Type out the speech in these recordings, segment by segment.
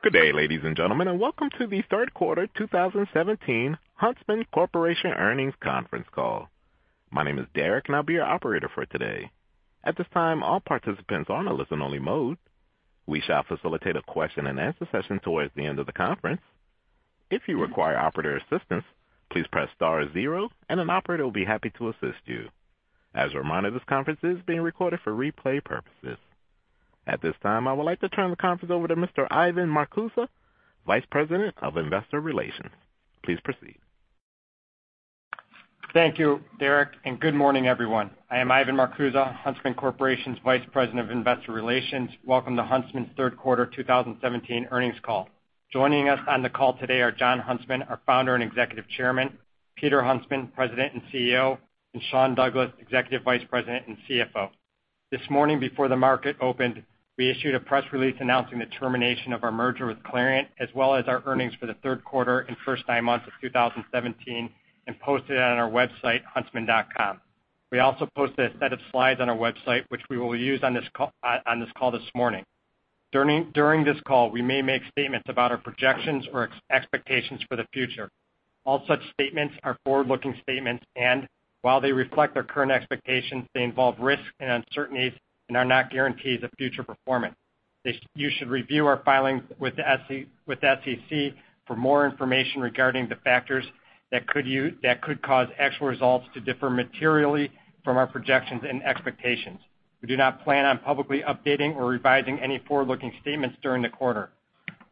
Good day, ladies and gentlemen, and welcome to the third quarter 2017 Huntsman Corporation earnings conference call. My name is Derek and I'll be your operator for today. At this time, all participants are on a listen-only mode. We shall facilitate a question and answer session towards the end of the conference. If you require operator assistance, please press star zero and an operator will be happy to assist you. As a reminder, this conference is being recorded for replay purposes. At this time, I would like to turn the conference over to Mr. Ivan Marcuse, Vice President of Investor Relations. Please proceed. Thank you, Derek, good morning, everyone. I am Ivan Marcuse, Huntsman Corporation's Vice President of Investor Relations. Welcome to Huntsman's third quarter 2017 earnings call. Joining us on the call today are Jon Huntsman, our Founder and Executive Chairman, Peter Huntsman, President and CEO, and Sean Douglas, Executive Vice President and CFO. This morning before the market opened, we issued a press release announcing the termination of our merger with Clariant, as well as our earnings for the third quarter and first nine months of 2017 and posted it on our website, huntsman.com. We also posted a set of slides on our website, which we will use on this call this morning. During this call, we may make statements about our projections or expectations for the future. All such statements are forward-looking statements, while they reflect our current expectations, they involve risks and uncertainties and are not guarantees of future performance. You should review our filings with the SEC for more information regarding the factors that could cause actual results to differ materially from our projections and expectations. We do not plan on publicly updating or revising any forward-looking statements during the quarter.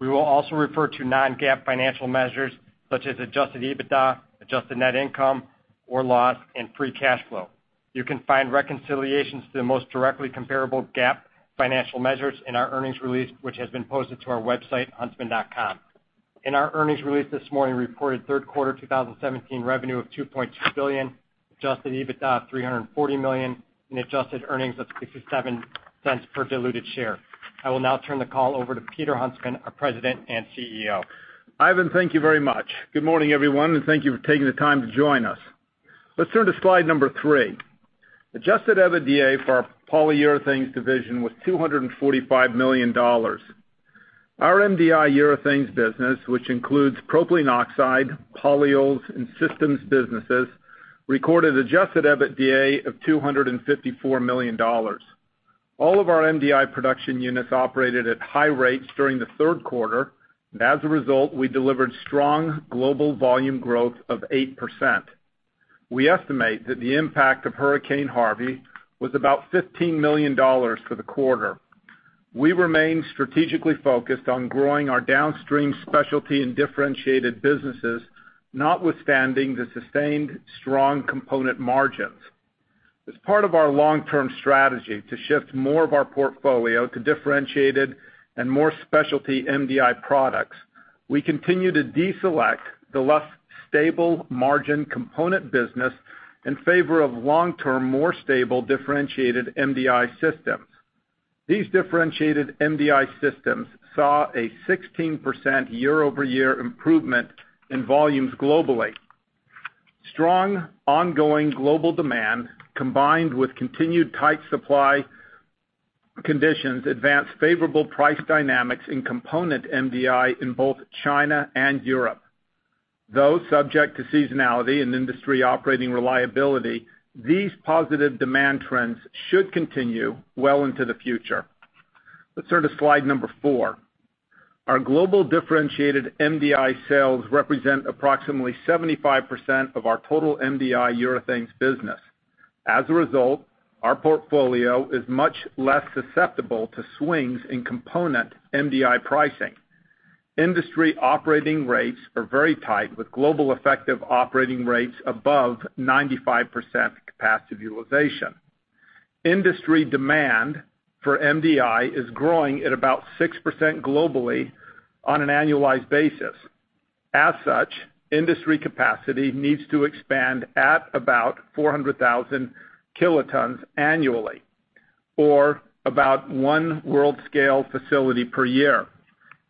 We will also refer to non-GAAP financial measures such as adjusted EBITDA, adjusted net income or loss, and free cash flow. You can find reconciliations to the most directly comparable GAAP financial measures in our earnings release, which has been posted to our website, huntsman.com. In our earnings release this morning, we reported third quarter 2017 revenue of $2.2 billion, adjusted EBITDA of $340 million, and adjusted earnings of $0.67 per diluted share. I will now turn the call over to Peter Huntsman, our President and CEO. Ivan, thank you very much. Good morning, everyone, and thank you for taking the time to join us. Let's turn to slide number three. Adjusted EBITDA for our Polyurethanes division was $245 million. Our MDI urethanes business, which includes propylene oxide, polyols, and systems businesses, recorded adjusted EBITDA of $254 million. All of our MDI production units operated at high rates during the third quarter. As a result, we delivered strong global volume growth of 8%. We estimate that the impact of Hurricane Harvey was about $15 million for the quarter. We remain strategically focused on growing our downstream specialty and differentiated businesses, notwithstanding the sustained strong component margins. As part of our long-term strategy to shift more of our portfolio to differentiated and more specialty MDI products, we continue to deselect the less stable margin component business in favor of long-term, more stable differentiated MDI systems. These differentiated MDI systems saw a 16% year-over-year improvement in volumes globally. Strong ongoing global demand, combined with continued tight supply conditions, advanced favorable price dynamics in component MDI in both China and Europe. Though subject to seasonality and industry operating reliability, these positive demand trends should continue well into the future. Let's turn to slide number four. Our global differentiated MDI sales represent approximately 75% of our total MDI urethanes business. As a result, our portfolio is much less susceptible to swings in component MDI pricing. Industry operating rates are very tight, with global effective operating rates above 95% capacity utilization. Industry demand for MDI is growing at about 6% globally on an annualized basis. As such, industry capacity needs to expand at about 400,000 kilotons annually, or about one world scale facility per year.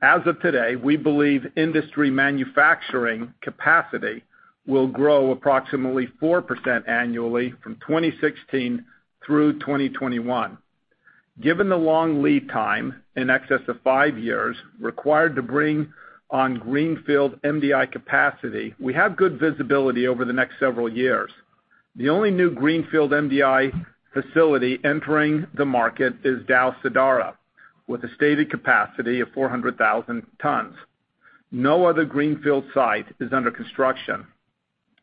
As of today, we believe industry manufacturing capacity will grow approximately 4% annually from 2016 through 2021. Given the long lead time, in excess of five years, required to bring on greenfield MDI capacity, we have good visibility over the next several years. The only new greenfield MDI facility entering the market is Dow Sadara, with a stated capacity of 400,000 tons. No other greenfield site is under construction.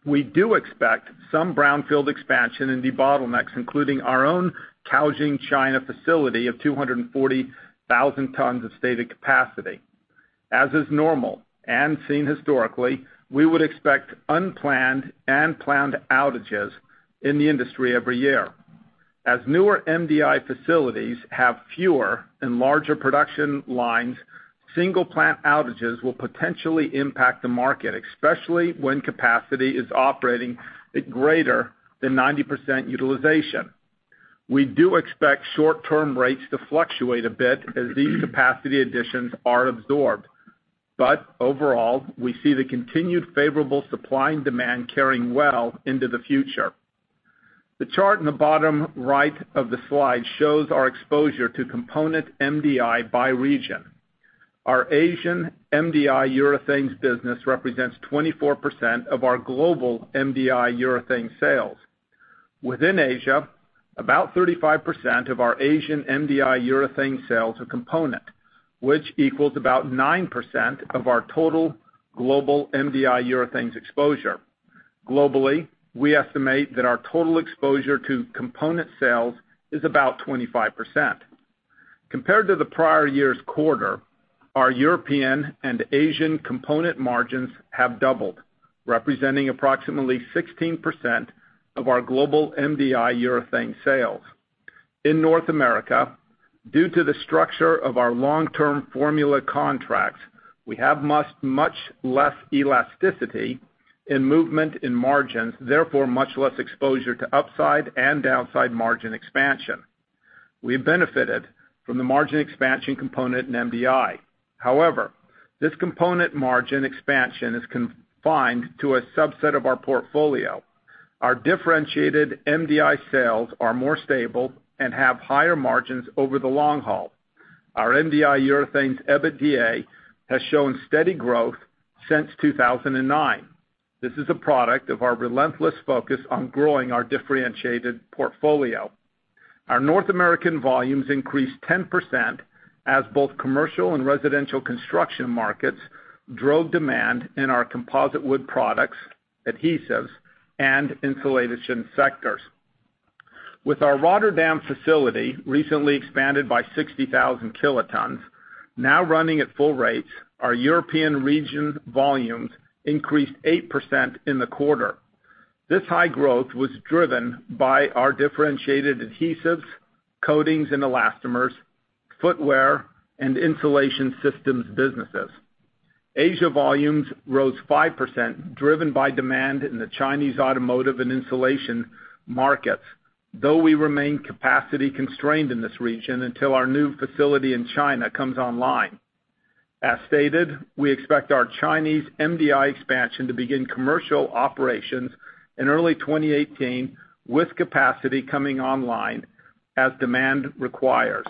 We do expect some brownfield expansion in debottlenecks, including our own Caojing, China facility of 240,000 tons of stated capacity. As is normal and seen historically, we would expect unplanned and planned outages in the industry every year. As newer MDI facilities have fewer and larger production lines, single plant outages will potentially impact the market, especially when capacity is operating at greater than 90% utilization. We do expect short-term rates to fluctuate a bit as these capacity additions are absorbed. Overall, we see the continued favorable supply and demand carrying well into the future. The chart in the bottom right of the slide shows our exposure to component MDI by region. Our Asian MDI urethanes business represents 24% of our global MDI urethane sales. Within Asia, about 35% of our Asian MDI urethane sales are component, which equals about 9% of our total global MDI urethanes exposure. Globally, we estimate that our total exposure to component sales is about 25%. Compared to the prior year's quarter, our European and Asian component margins have doubled, representing approximately 16% of our global MDI urethane sales. In North America, due to the structure of our long-term formula contracts, we have much less elasticity and movement in margins, therefore much less exposure to upside and downside margin expansion. We have benefited from the margin expansion component in MDI. However, this component margin expansion is confined to a subset of our portfolio. Our differentiated MDI sales are more stable and have higher margins over the long haul. Our MDI polyurethanes EBITDA has shown steady growth since 2009. This is a product of our relentless focus on growing our differentiated portfolio. Our North American volumes increased 10% as both commercial and residential construction markets drove demand in our composite wood products, adhesives, and insulation sectors. With our Rozenburg facility, recently expanded by 60,000 kilotons, now running at full rates, our European region volumes increased 8% in the quarter. This high growth was driven by our differentiated adhesives, coatings and elastomers, footwear, and insulation systems businesses. Asia volumes rose 5%, driven by demand in the Chinese automotive and insulation markets, though we remain capacity constrained in this region until our new facility in China comes online. As stated, we expect our Chinese MDI expansion to begin commercial operations in early 2018, with capacity coming online as demand requires.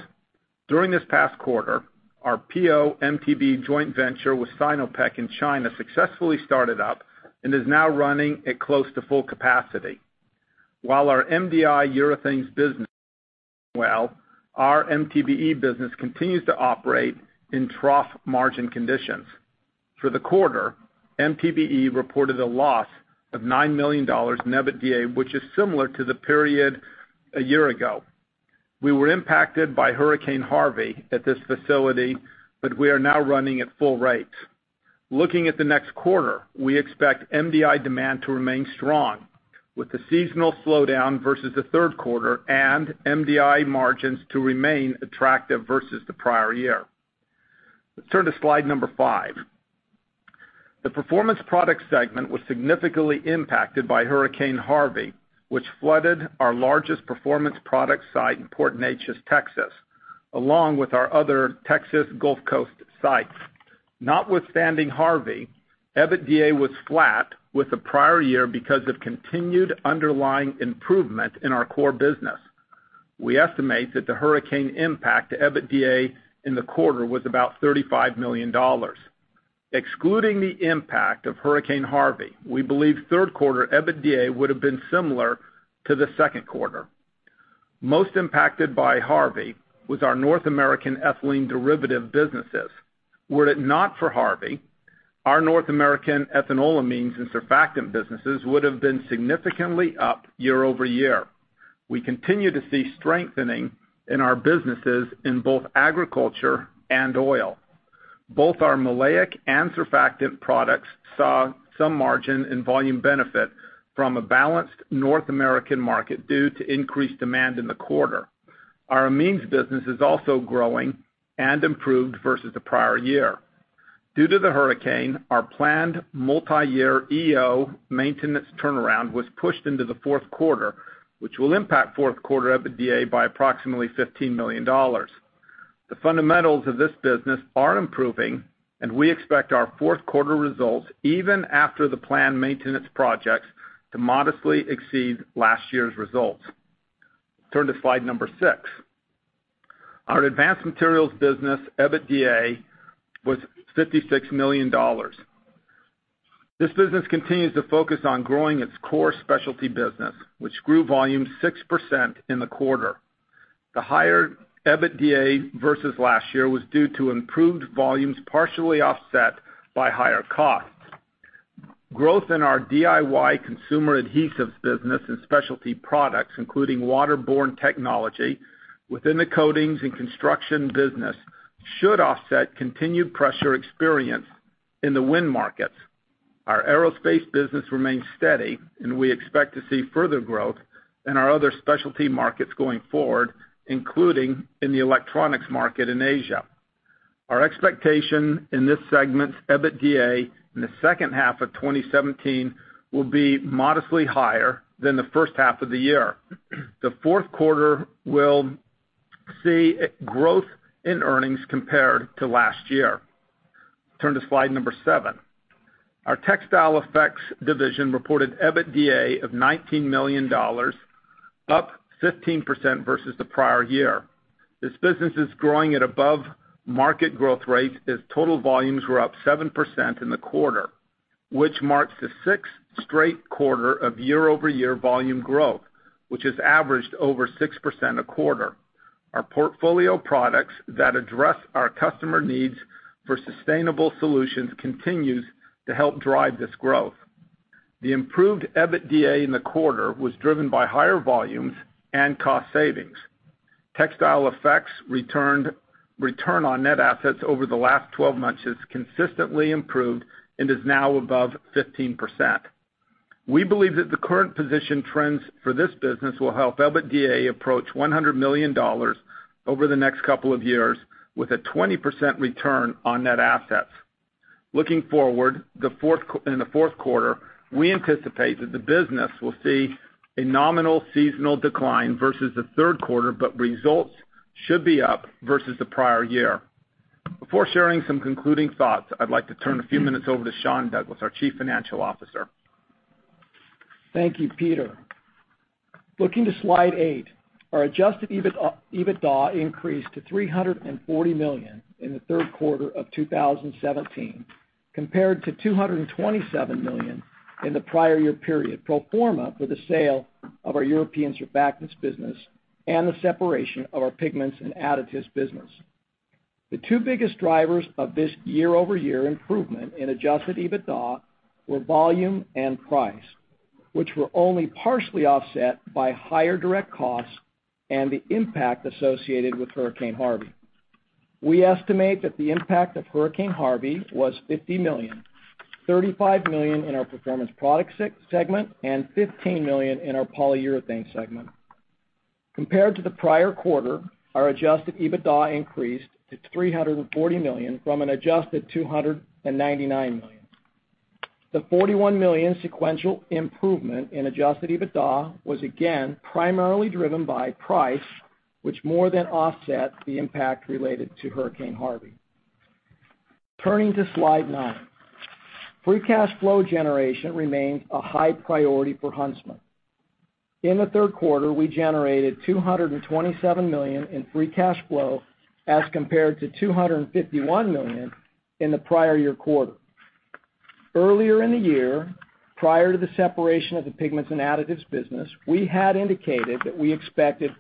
During this past quarter, our PO/MTBE joint venture with Sinopec in China successfully started up and is now running at close to full capacity. While our MDI polyurethanes business is doing well, our MTBE business continues to operate in trough margin conditions. For the quarter, MTBE reported a loss of $9 million in EBITDA, which is similar to the period a year ago. We were impacted by Hurricane Harvey at this facility, but we are now running at full rates. Looking at the next quarter, we expect MDI demand to remain strong with a seasonal slowdown versus the third quarter and MDI margins to remain attractive versus the prior year. Let's turn to slide number five. The Performance Products segment was significantly impacted by Hurricane Harvey, which flooded our largest Performance Products site in Port Neches, Texas, along with our other Texas Gulf Coast sites. Notwithstanding Harvey, EBITDA was flat with the prior year because of continued underlying improvement in our core business. We estimate that the hurricane impact to EBITDA in the quarter was about $35 million. Excluding the impact of Hurricane Harvey, we believe third quarter EBITDA would've been similar to the second quarter. Most impacted by Harvey was our North American ethylene derivative businesses. Were it not for Harvey, our North American ethanolamines and surfactant businesses would've been significantly up year-over-year. We continue to see strengthening in our businesses in both agriculture and oil. Both our maleic and surfactant products saw some margin and volume benefit from a balanced North American market due to increased demand in the quarter. Our amines business is also growing and improved versus the prior year. Due to the hurricane, our planned multi-year EO maintenance turnaround was pushed into the fourth quarter, which will impact fourth quarter EBITDA by approximately $15 million. The fundamentals of this business are improving, and we expect our fourth quarter results, even after the planned maintenance projects, to modestly exceed last year's results. Turn to slide number six. Our Advanced Materials business EBITDA was $56 million. This business continues to focus on growing its core specialty business, which grew volumes 6% in the quarter. The higher EBITDA versus last year was due to improved volumes, partially offset by higher costs. Growth in our DIY consumer adhesives business and specialty products, including waterborne technology within the coatings and construction business, should offset continued pressure experienced in the wind markets. Our aerospace business remains steady. We expect to see further growth in our other specialty markets going forward, including in the electronics market in Asia. Our expectation in this segment's EBITDA in the second half of 2017 will be modestly higher than the first half of the year. The fourth quarter will see a growth in earnings compared to last year. Turn to slide number seven. Our Textile Effects division reported EBITDA of $19 million, up 15% versus the prior year. This business is growing at above market growth rate as total volumes were up 7% in the quarter, which marks the sixth straight quarter of year-over-year volume growth, which has averaged over 6% a quarter. Our portfolio products that address our customer needs for sustainable solutions continues to help drive this growth. The improved EBITDA in the quarter was driven by higher volumes and cost savings. Textile Effects return on net assets over the last 12 months has consistently improved and is now above 15%. We believe that the current position trends for this business will help EBITDA approach $100 million over the next couple of years with a 20% return on net assets. Looking forward in the fourth quarter, we anticipate that the business will see a nominal seasonal decline versus the third quarter. Results should be up versus the prior year. Before sharing some concluding thoughts, I'd like to turn a few minutes over to Sean Douglas, our Chief Financial Officer. Thank you, Peter. Looking to slide eight, our adjusted EBITDA increased to $340 million in the third quarter of 2017, compared to $227 million in the prior year period pro forma for the sale of our European surfactants business and the separation of our Pigments and Additives business. The two biggest drivers of this year-over-year improvement in adjusted EBITDA were volume and price, which were only partially offset by higher direct costs and the impact associated with Hurricane Harvey. We estimate that the impact of Hurricane Harvey was $50 million, $35 million in our Performance Products segment, and $15 million in our Polyurethanes segment. Compared to the prior quarter, our adjusted EBITDA increased to $340 million from an adjusted $299 million. The $41 million sequential improvement in adjusted EBITDA was again primarily driven by price, which more than offset the impact related to Hurricane Harvey. Turning to slide nine. Free cash flow generation remains a high priority for Huntsman. In the third quarter, we generated $227 million in free cash flow as compared to $251 million in the prior year quarter. Earlier in the year, prior to the separation of the Pigments and Additives business, we had indicated that we expected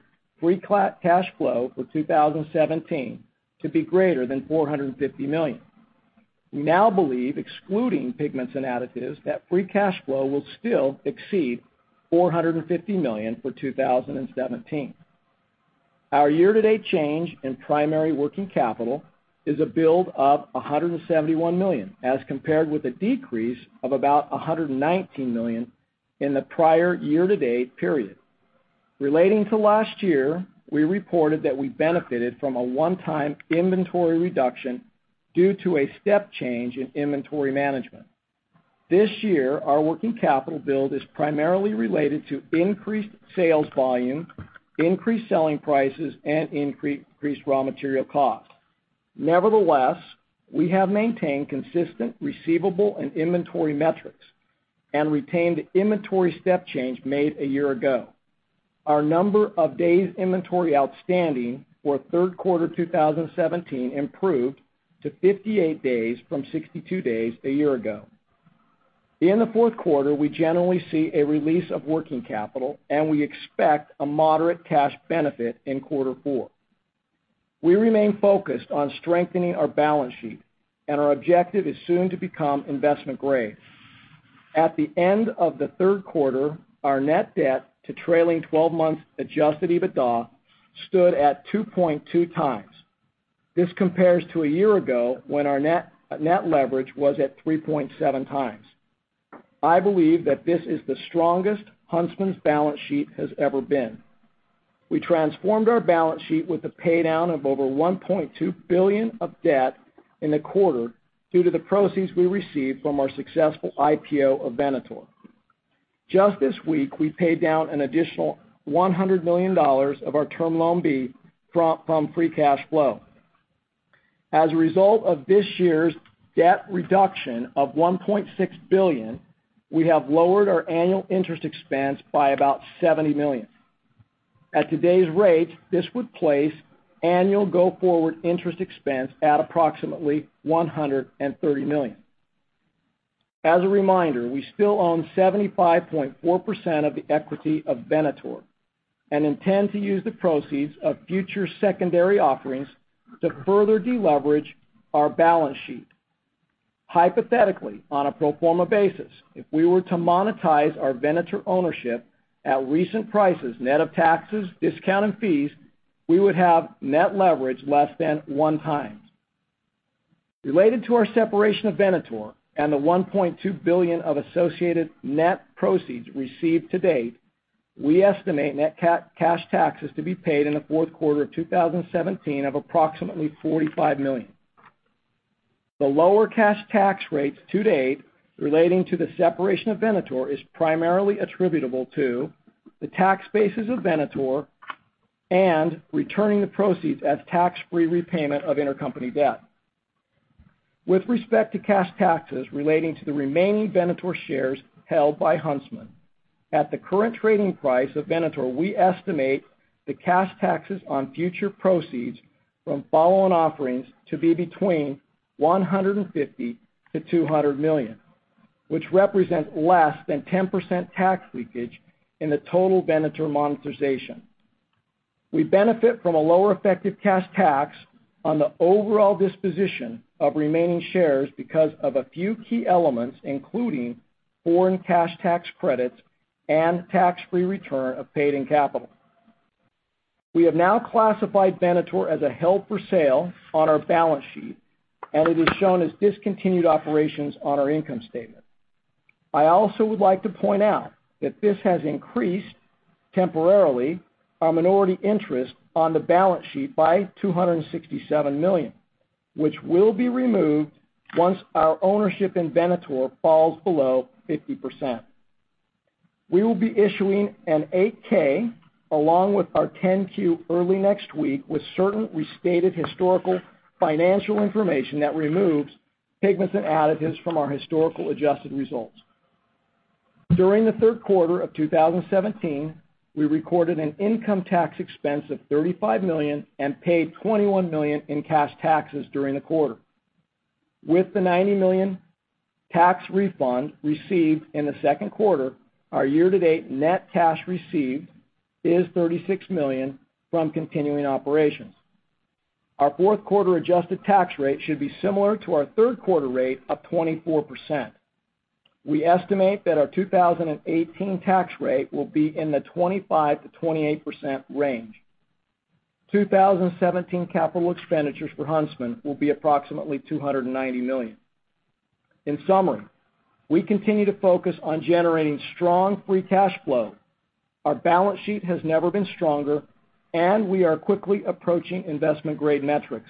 free cash flow for 2017 to be greater than $450 million. We now believe, excluding Pigments and Additives, that free cash flow will still exceed $450 million for 2017. Our year-to-date change in primary working capital is a build of $171 million as compared with a decrease of about $119 million in the prior year-to-date period. Relating to last year, we reported that we benefited from a one-time inventory reduction due to a step change in inventory management. This year, our working capital build is primarily related to increased sales volume, increased selling prices, and increased raw material costs. Nevertheless, we have maintained consistent receivable and inventory metrics and retained inventory step change made a year ago. Our number of Days Inventory Outstanding for third quarter 2017 improved to 58 days from 62 days a year ago. In the fourth quarter, we generally see a release of working capital, and we expect a moderate cash benefit in quarter four. We remain focused on strengthening our balance sheet, and our objective is soon to become investment grade. At the end of the third quarter, our net debt to trailing 12 months adjusted EBITDA stood at 2.2 times. This compares to a year ago when our net leverage was at 3.7 times. I believe that this is the strongest Huntsman's balance sheet has ever been. We transformed our balance sheet with a paydown of over $1.2 billion of debt in the quarter due to the proceeds we received from our successful IPO of Venator. Just this week, we paid down an additional $100 million of our term loan B from free cash flow. As a result of this year's debt reduction of $1.6 billion, we have lowered our annual interest expense by about $70 million. At today's rate, this would place annual go-forward interest expense at approximately $130 million. As a reminder, we still own 75.4% of the equity of Venator and intend to use the proceeds of future secondary offerings to further deleverage our balance sheet. Hypothetically, on a pro forma basis, if we were to monetize our Venator ownership at recent prices, net of taxes, discount, and fees, we would have net leverage less than one times. Related to our separation of Venator and the $1.2 billion of associated net proceeds received to date, we estimate net cash taxes to be paid in the fourth quarter of 2017 of approximately $45 million. The lower cash tax rates to date relating to the separation of Venator is primarily attributable to the tax bases of Venator and returning the proceeds as tax-free repayment of intercompany debt. With respect to cash taxes relating to the remaining Venator shares held by Huntsman. At the current trading price of Venator, we estimate the cash taxes on future proceeds from follow-on offerings to be between $150 million-$200 million, which represents less than 10% tax leakage in the total Venator monetization. We benefit from a lower effective cash tax on the overall disposition of remaining shares because of a few key elements, including foreign cash tax credits and tax-free return of paid-in capital. We have now classified Venator as a held for sale on our balance sheet, and it is shown as discontinued operations on our income statement. I also would like to point out that this has increased temporarily our minority interest on the balance sheet by $267 million, which will be removed once our ownership in Venator falls below 50%. We will be issuing an 8-K along with our 10-Q early next week with certain restated historical financial information that removes Pigments and Additives from our historical adjusted results. During the third quarter of 2017, we recorded an income tax expense of $35 million and paid $21 million in cash taxes during the quarter. With the $90 million tax refund received in the second quarter, our year-to-date net cash received is $36 million from continuing operations. Our fourth quarter adjusted tax rate should be similar to our third quarter rate of 24%. We estimate that our 2018 tax rate will be in the 25%-28% range. 2017 capital expenditures for Huntsman will be approximately $290 million. In summary, we continue to focus on generating strong free cash flow. Our balance sheet has never been stronger, and we are quickly approaching investment-grade metrics.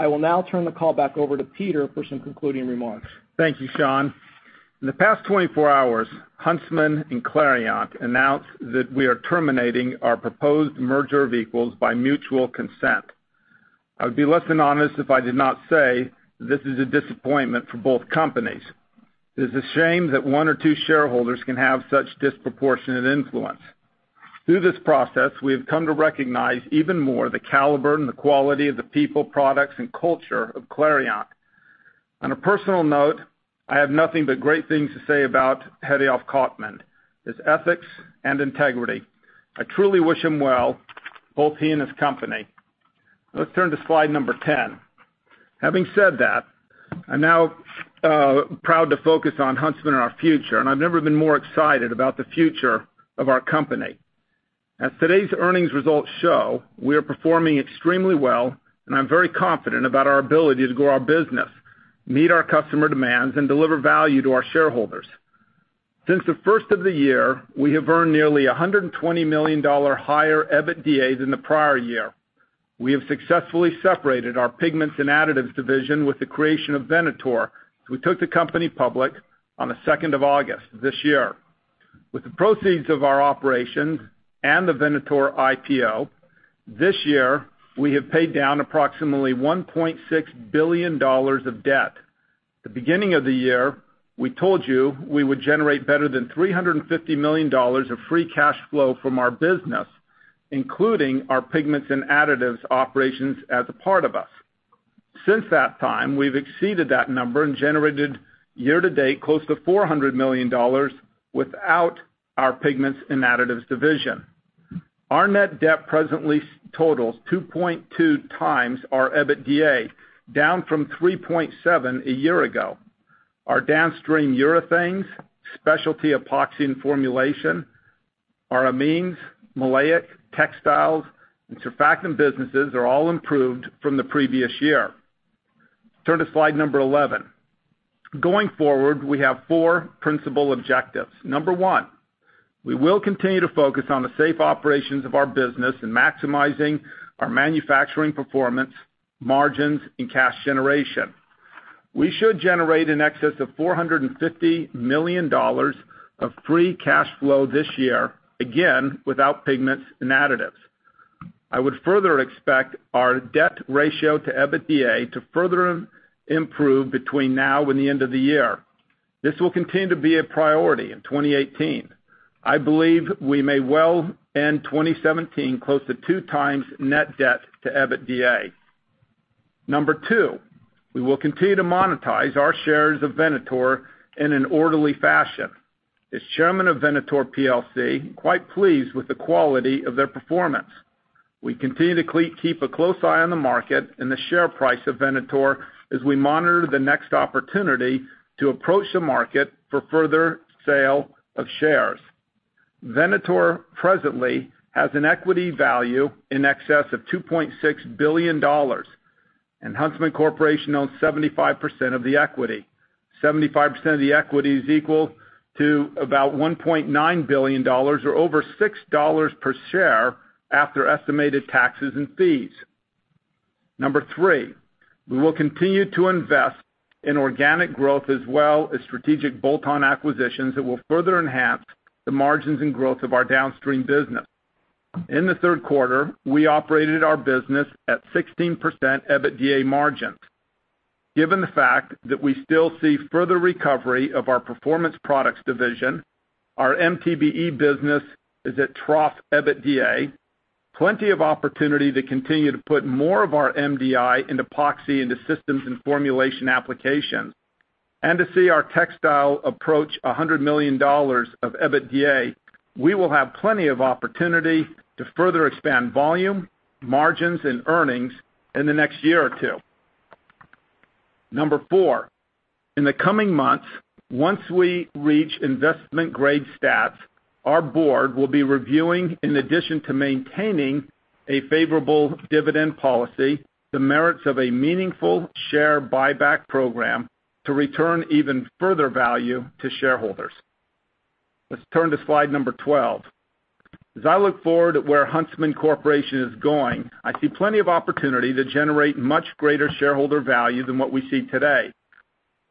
I will now turn the call back over to Peter for some concluding remarks. Thank you, Sean. In the past 24 hours, Huntsman and Clariant announced that we are terminating our proposed merger of equals by mutual consent. I would be less than honest if I did not say this is a disappointment for both companies. It is a shame that one or two shareholders can have such disproportionate influence. Through this process, we have come to recognize even more the caliber and the quality of the people, products, and culture of Clariant. On a personal note, I have nothing but great things to say about Hariolf Kottmann, his ethics, and integrity. I truly wish him well, both he and his company. Let's turn to slide number 10. Having said that, I'm now proud to focus on Huntsman and our future, and I've never been more excited about the future of our company. As today's earnings results show, we are performing extremely well, and I'm very confident about our ability to grow our business, meet our customer demands, and deliver value to our shareholders. Since the first of the year, we have earned nearly $120 million higher EBITDA than the prior year. We have successfully separated our Pigments and Additives division with the creation of Venator. We took the company public on the second of August this year. With the proceeds of our operations and the Venator IPO, this year we have paid down approximately $1.6 billion of debt. At the beginning of the year, we told you we would generate better than $350 million of free cash flow from our business, including our Pigments and Additives operations as a part of us. Since that time, we've exceeded that number and generated year to date close to $400 million without our Pigments and Additives division. Our net debt presently totals 2.2 times our EBITDA, down from 3.7 a year ago. Our downstream urethanes, specialty epoxy and formulation, our amines, maleic, textiles, and surfactant businesses are all improved from the previous year. Turn to slide number 11. Going forward, we have four principal objectives. Number one, we will continue to focus on the safe operations of our business and maximizing our manufacturing performance, margins, and cash generation. We should generate in excess of $450 million of free cash flow this year, again, without Pigments and Additives. I would further expect our debt ratio to EBITDA to further improve between now and the end of the year. This will continue to be a priority in 2018. I believe we may well end 2017 close to 2 times net debt to EBITDA. Number two, we will continue to monetize our shares of Venator in an orderly fashion. As chairman of Venator PLC, quite pleased with the quality of their performance. We continue to keep a close eye on the market and the share price of Venator as we monitor the next opportunity to approach the market for further sale of shares. Venator presently has an equity value in excess of $2.6 billion, and Huntsman Corporation owns 75% of the equity. 75% of the equity is equal to about $1.9 billion or over $6 per share after estimated taxes and fees. Number three, we will continue to invest in organic growth as well as strategic bolt-on acquisitions that will further enhance the margins and growth of our downstream business. In the third quarter, we operated our business at 16% EBITDA margins. Given the fact that we still see further recovery of our Performance Products division, our MTBE business is at trough EBITDA, plenty of opportunity to continue to put more of our MDI into epoxy, into systems and formulation applications, and to see our textile approach $100 million of EBITDA, we will have plenty of opportunity to further expand volume, margins, and earnings in the next year or two. Number four, in the coming months, once we reach investment grade status, our board will be reviewing, in addition to maintaining a favorable dividend policy, the merits of a meaningful share buyback program to return even further value to shareholders. Let's turn to slide number 12. As I look forward at where Huntsman Corporation is going, I see plenty of opportunity to generate much greater shareholder value than what we see today.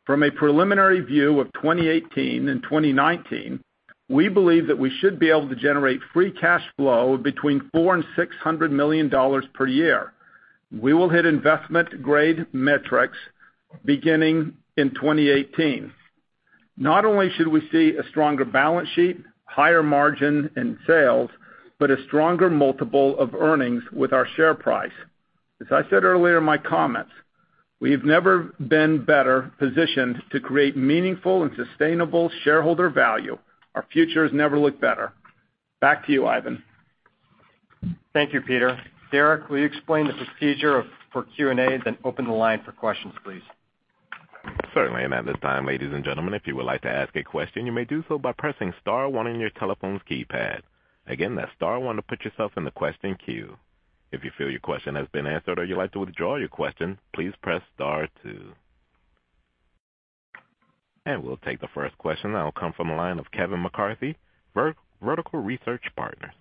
From a preliminary view of 2018 and 2019, we believe that we should be able to generate free cash flow between $400 million and $600 million per year. We will hit investment-grade metrics beginning in 2018. Not only should we see a stronger balance sheet, higher margin in sales, but a stronger multiple of earnings with our share price. As I said earlier in my comments, we've never been better positioned to create meaningful and sustainable shareholder value. Our future has never looked better. Back to you, Ivan. Thank you, Peter. Derek, will you explain the procedure for Q&A, then open the line for questions, please. Certainly. At this time, ladies and gentlemen, if you would like to ask a question, you may do so by pressing *1 on your telephone's keypad. Again, that's *1 to put yourself in the question queue. If you feel your question has been answered or you'd like to withdraw your question, please press *2. We'll take the first question. That will come from the line of Kevin McCarthy, Vertical Research Partners.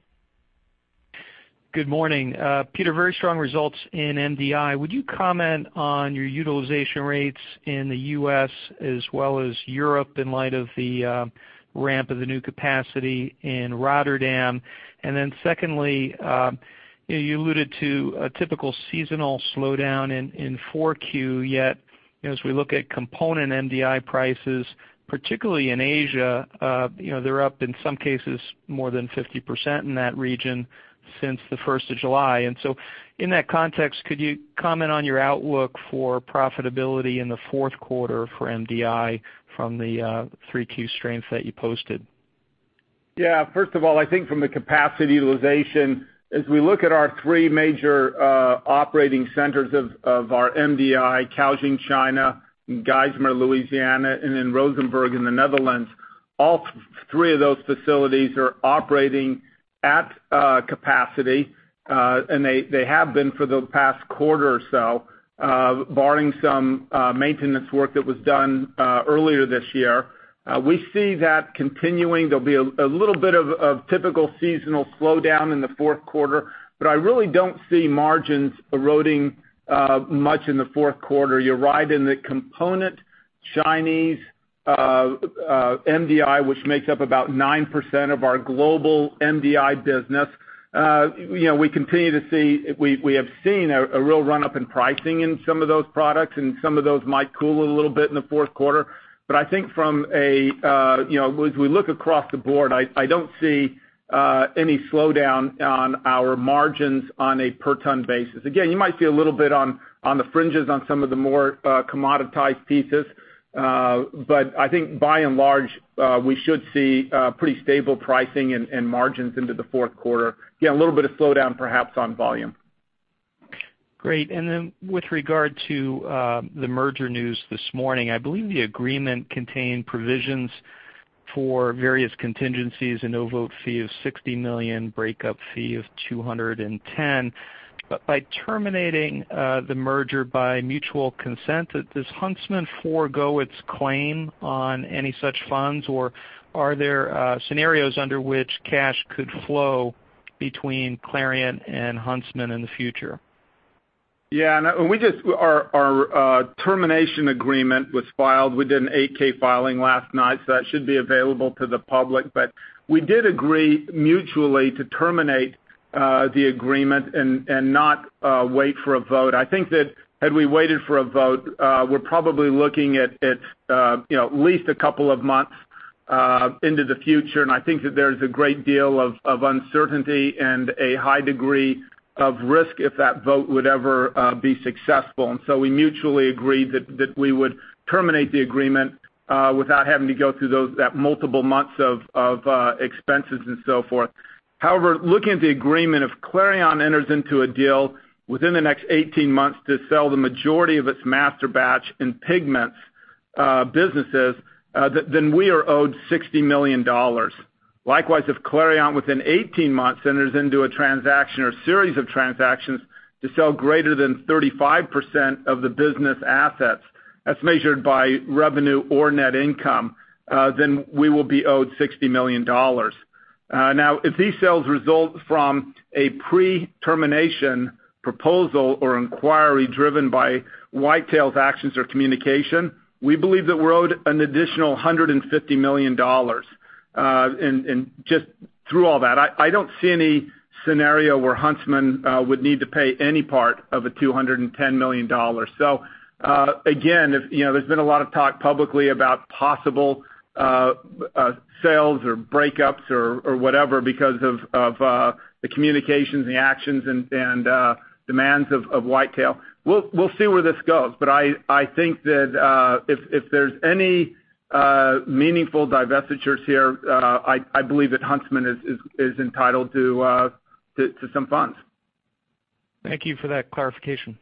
Good morning. Peter, very strong results in MDI. Would you comment on your utilization rates in the U.S. as well as Europe in light of the ramp of the new capacity in Rotterdam? Secondly, you alluded to a typical seasonal slowdown in 4Q, yet as we look at component MDI prices, particularly in Asia, they're up in some cases more than 50% in that region since the 1st of July. In that context, could you comment on your outlook for profitability in the fourth quarter for MDI from the 3Q strength that you posted? Yeah. First of all, I think from the capacity utilization, as we look at our three major operating centers of our MDI, Caojing, China, Geismar, Louisiana, and Rozenburg in the Netherlands, all three of those facilities are operating at capacity, and they have been for the past quarter or so, barring some maintenance work that was done earlier this year. We see that continuing. There'll be a little bit of typical seasonal slowdown in the fourth quarter, I really don't see margins eroding much in the fourth quarter. You're right in the component Chinese MDI, which makes up about 9% of our global MDI business. We have seen a real run-up in pricing in some of those products, and some of those might cool a little bit in the fourth quarter. I think as we look across the board, I don't see any slowdown on our margins on a per ton basis. Again, you might see a little bit on the fringes on some of the more commoditized pieces. I think by and large, we should see pretty stable pricing and margins into the fourth quarter. Yeah, a little bit of slowdown perhaps on volume. Great. With regard to the merger news this morning. I believe the agreement contained provisions for various contingencies, a no vote fee of $60 million, breakup fee of $210 million. By terminating the merger by mutual consent, does Huntsman forgo its claim on any such funds, or are there scenarios under which cash could flow between Clariant and Huntsman in the future? Our termination agreement was filed. We did an 8-K filing last night, that should be available to the public. We did agree mutually to terminate the agreement and not wait for a vote. I think that had we waited for a vote, we're probably looking at least a couple of months into the future, and I think that there's a great deal of uncertainty and a high degree of risk if that vote would ever be successful. We mutually agreed that we would terminate the agreement without having to go through that multiple months of expenses and so forth. However, looking at the agreement, if Clariant enters into a deal within the next 18 months to sell the majority of its masterbatch and pigments businesses, we are owed $60 million. Likewise, if Clariant within 18 months enters into a transaction or series of transactions to sell greater than 35% of the business assets as measured by revenue or net income, we will be owed $60 million. If these sales result from a pre-termination proposal or inquiry driven by White Tale's actions or communication, we believe that we're owed an additional $150 million. I don't see any scenario where Huntsman would need to pay any part of a $210 million. There's been a lot of talk publicly about possible sales or breakups or whatever because of the communications, the actions, and demands of White Tale. We'll see where this goes, I think that, if there's any meaningful divestitures here, I believe that Huntsman is entitled to some funds. Thank you for that clarification.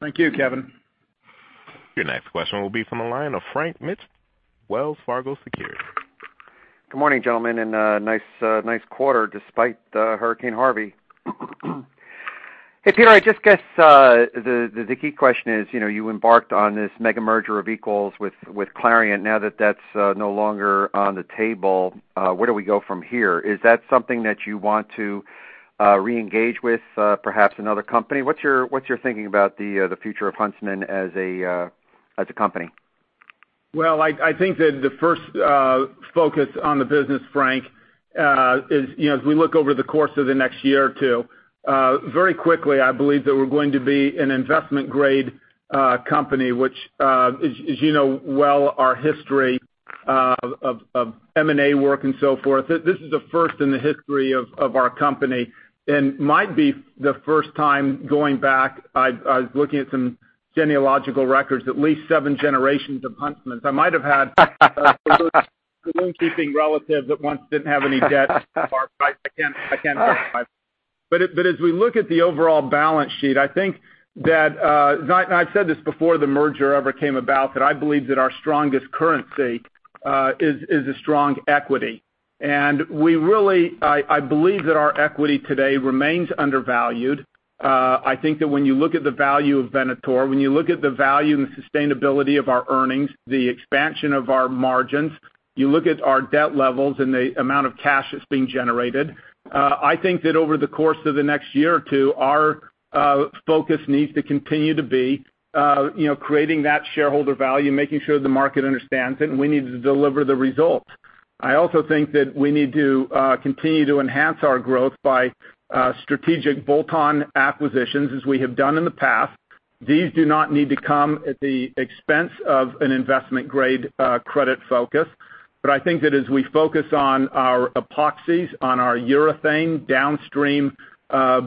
Thank you, Kevin. Your next question will be from the line of Frank Mitsch, Wells Fargo Securities. Good morning, gentlemen, nice quarter despite Hurricane Harvey. Hey, Peter, I just guess the key question is, you embarked on this mega merger of equals with Clariant. Now that that's no longer on the table, where do we go from here? Is that something that you want to re-engage with perhaps another company? What's your thinking about the future of Huntsman as a company? Well, I think that the first focus on the business, Frank, is as we look over the course of the next year or two. Very quickly, I believe that we're going to be an investment-grade company, which as you know well, our history of M&A work and so forth, this is the first in the history of our company and might be the first time going back, I was looking at some genealogical records, at least seven generations of Huntsmans. I might have bookkeeping relatives that once didn't have any debt. I can't verify that. As we look at the overall balance sheet, I've said this before the merger ever came about, that I believe that our strongest currency is a strong equity. I believe that our equity today remains undervalued. I think that when you look at the value of Venator, when you look at the value and the sustainability of our earnings, the expansion of our margins, you look at our debt levels and the amount of cash that's being generated. I think that over the course of the next year or two, our focus needs to continue to be creating that shareholder value, making sure the market understands it, and we need to deliver the results. I also think that we need to continue to enhance our growth by strategic bolt-on acquisitions, as we have done in the past. These do not need to come at the expense of an investment-grade credit focus. I think that as we focus on our epoxies, on our urethane downstream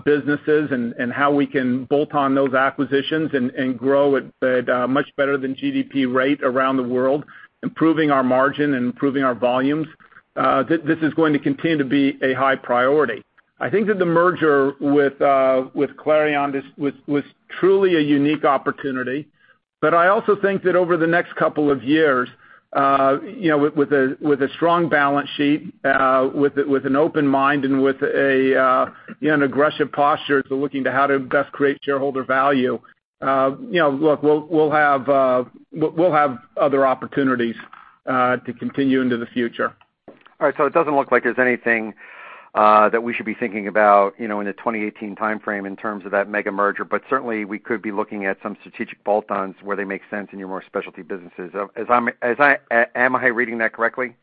businesses, and how we can bolt on those acquisitions and grow at a much better than GDP rate around the world, improving our margin and improving our volumes, this is going to continue to be a high priority. I think that the merger with Clariant was truly a unique opportunity. I also think that over the next couple of years, with a strong balance sheet, with an open mind, and with an aggressive posture to looking to how to best create shareholder value. Look, we'll have other opportunities to continue into the future. All right. It doesn't look like there's anything that we should be thinking about in the 2018 timeframe in terms of that mega merger. Certainly, we could be looking at some strategic bolt-ons where they make sense in your more specialty businesses. Am I reading that correctly?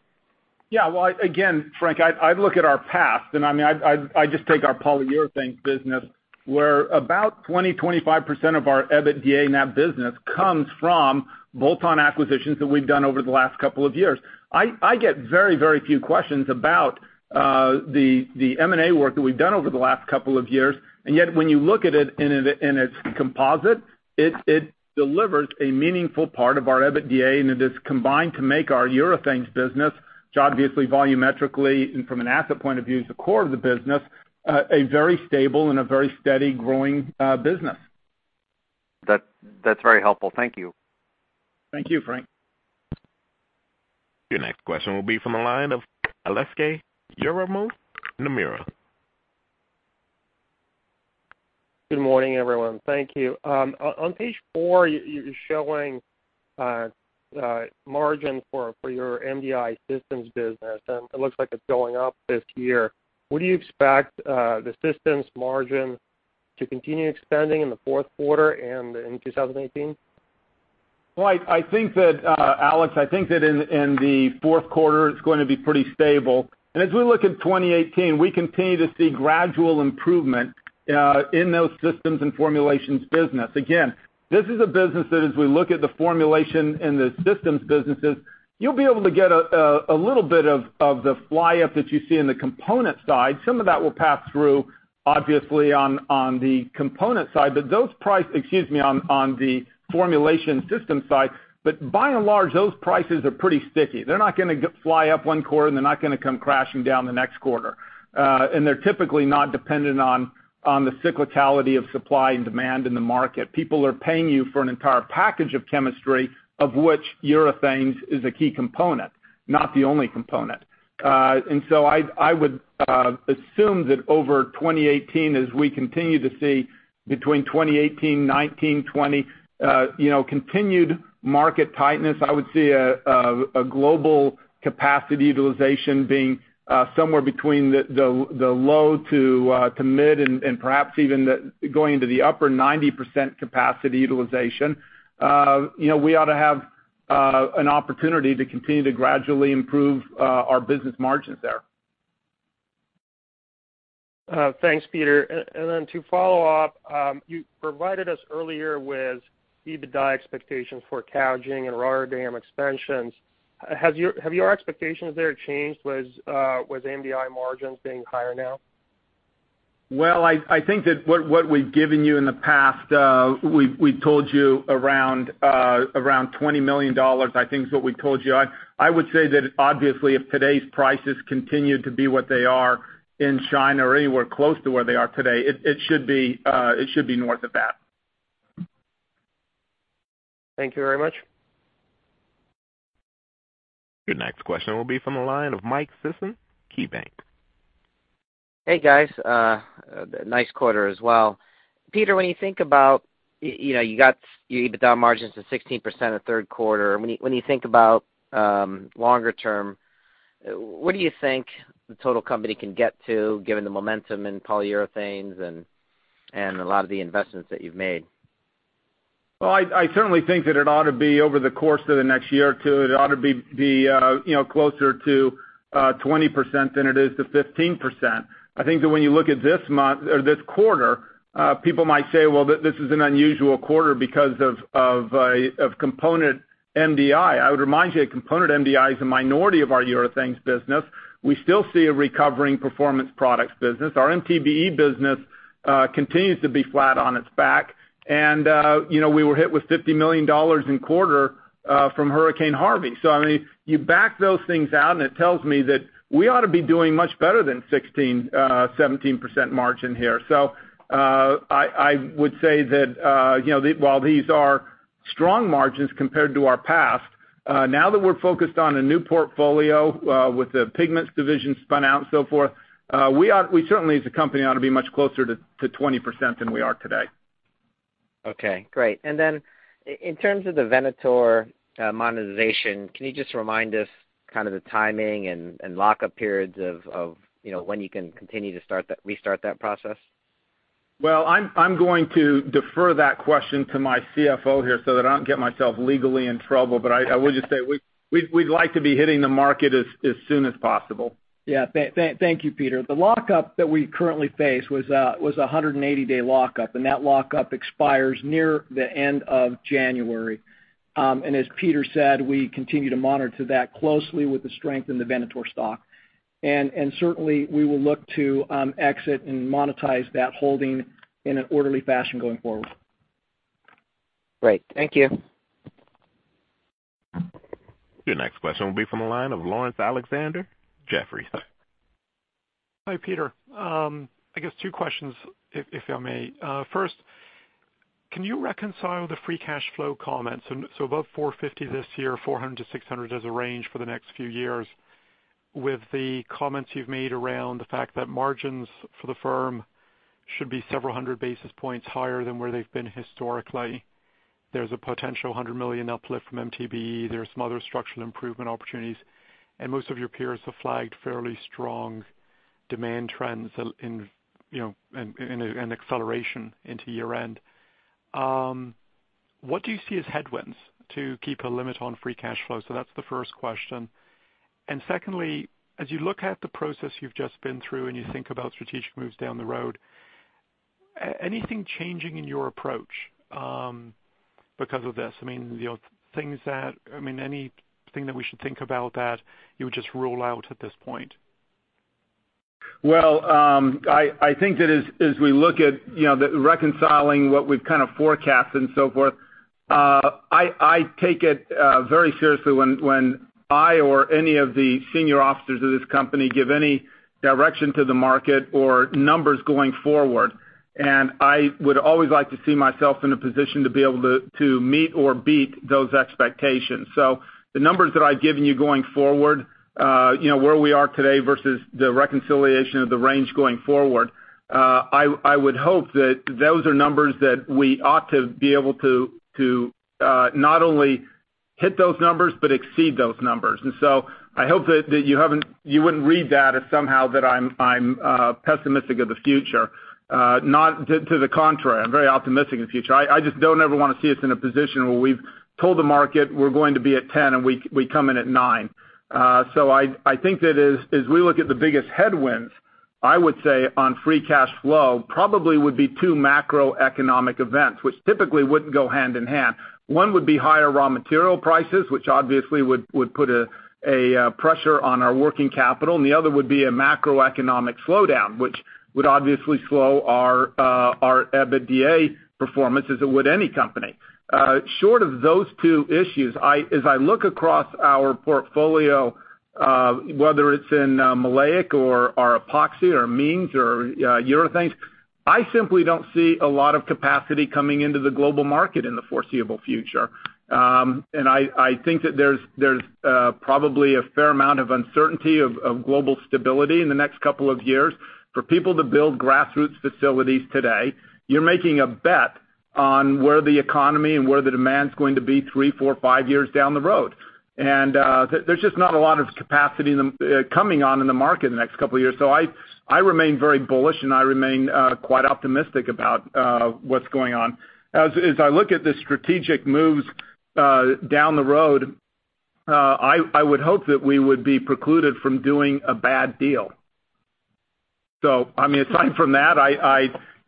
Yeah. Well, again, Frank, I look at our past, and I just take our polyurethane business, where about 20%, 25% of our EBITDA in that business comes from bolt-on acquisitions that we've done over the last couple of years. I get very few questions about the M&A work that we've done over the last couple of years, and yet when you look at it in its composite, it delivers a meaningful part of our EBITDA, and it is combined to make our urethanes business, which obviously volumetrically and from an asset point of view is the core of the business, a very stable and a very steady growing business. That's very helpful. Thank you. Thank you, Frank. Your next question will be from the line of Aleksey Yefremov, Nomura. Good morning, everyone. Thank you. On page four, you're showing margin for your MDI systems business, and it looks like it's going up this year. Would you expect the systems margin to continue expanding in the fourth quarter and in 2018? Well, Alex, I think that in the fourth quarter, it's going to be pretty stable. As we look at 2018, we continue to see gradual improvement in those systems and formulations business. Again, this is a business that as we look at the formulation and the systems businesses, you'll be able to get a little bit of the fly up that you see in the component side. Some of that will pass through, obviously, on the formulation system side. By and large, those prices are pretty sticky. They're not going to fly up one quarter, and they're not going to come crashing down the next quarter. They're typically not dependent on the cyclicality of supply and demand in the market. People are paying you for an entire package of chemistry, of which urethanes is a key component, not the only component. I would assume that over 2018, as we continue to see between 2018, 2019, 2020 continued market tightness, I would see a global capacity utilization being somewhere between the low to mid and perhaps even going into the upper 90% capacity utilization. We ought to have an opportunity to continue to gradually improve our business margins there. Thanks, Peter. To follow up, you provided us earlier with EBITDA expectations for Caojing and Rotterdam expansions. Have your expectations there changed with MDI margins being higher now? Well, I think that what we've given you in the past, we told you around $20 million, I think is what we told you. I would say that obviously if today's prices continue to be what they are in China, or anywhere close to where they are today, it should be north of that. Thank you very much. Your next question will be from the line of Michael Sison, KeyBanc. Hey, guys. Nice quarter as well. Peter, when you think about your EBITDA margins of 16% at third quarter, when you think about longer term, what do you think the total company can get to given the momentum in polyurethanes and a lot of the investments that you've made? Well, I certainly think that it ought to be over the course of the next year or two, it ought to be closer to 20% than it is to 15%. I think that when you look at this quarter, people might say, "Well, this is an unusual quarter because of component MDI." I would remind you that component MDI is a minority of our urethanes business. We still see a recovering Performance Products business. Our MTBE business continues to be flat on its back. We were hit with $50 million in quarter from Hurricane Harvey. I mean, you back those things out and it tells me that we ought to be doing much better than 16%, 17% margin here. I would say that while these are strong margins compared to our past, now that we're focused on a new portfolio with the Pigments division spun out and so forth, we certainly as a company ought to be much closer to 20% than we are today. Okay, great. In terms of the Venator monetization, can you just remind us kind of the timing and lockup periods of when you can continue to restart that process? Well, I'm going to defer that question to my CFO here so that I don't get myself legally in trouble. I will just say, we'd like to be hitting the market as soon as possible. Yeah. Thank you, Peter. The lockup that we currently face was 180-day lockup, that lockup expires near the end of January. As Peter said, we continue to monitor that closely with the strength in the Venator stock. Certainly, we will look to exit and monetize that holding in an orderly fashion going forward. Great. Thank you. Your next question will be from the line of Laurence Alexander, Jefferies. Hi, Peter. I guess two questions, if I may. First, can you reconcile the free cash flow comments, above $450 million this year, $400 million-$600 million as a range for the next few years, with the comments you've made around the fact that margins for the firm should be several hundred basis points higher than where they've been historically. There's a potential $100 million uplift from MTBE. There are some other structural improvement opportunities, and most of your peers have flagged fairly strong demand trends and an acceleration into year-end. What do you see as headwinds to keep a limit on free cash flow? That's the first question. Secondly, as you look at the process you've just been through and you think about strategic moves down the road, anything changing in your approach because of this? Anything that we should think about that you would just rule out at this point? I think that as we look at reconciling what we've kind of forecast and so forth, I take it very seriously when I or any of the senior officers of this company give any direction to the market or numbers going forward. I would always like to see myself in a position to be able to meet or beat those expectations. The numbers that I've given you going forward, where we are today versus the reconciliation of the range going forward, I would hope that those are numbers that we ought to be able to not only hit those numbers but exceed those numbers. I hope that you wouldn't read that as somehow that I'm pessimistic of the future. To the contrary, I'm very optimistic in the future. I just don't ever want to see us in a position where we've told the market we're going to be at 10 and we come in at nine. I think that as we look at the biggest headwinds, I would say on free cash flow, probably would be two macroeconomic events, which typically wouldn't go hand in hand. One would be higher raw material prices, which obviously would put a pressure on our working capital, and the other would be a macroeconomic slowdown, which would obviously slow our EBITDA performance as it would any company. Short of those two issues, as I look across our portfolio, whether it's in maleic or our epoxy or amines or urethanes, I simply don't see a lot of capacity coming into the global market in the foreseeable future. I think that there's probably a fair amount of uncertainty of global stability in the next couple of years. For people to build grassroots facilities today, you're making a bet on where the economy and where the demand's going to be three, four, five years down the road. There's just not a lot of capacity coming on in the market in the next couple of years. I remain very bullish, and I remain quite optimistic about what's going on. As I look at the strategic moves down the road, I would hope that we would be precluded from doing a bad deal. Aside from that,